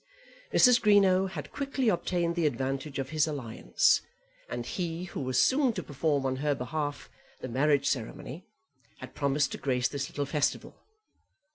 Mrs. Greenow had quickly obtained the advantage of his alliance, and he, who was soon to perform on her behalf the marriage ceremony, had promised to grace this little festival.